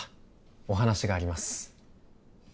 お話があります